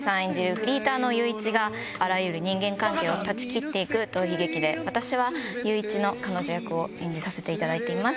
フリーターの裕一があらゆる人間関係を断ち切って行く逃避劇で私は裕一の彼女役を演じさせていただいています。